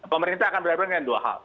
pemerintah akan berhadapan dengan dua hal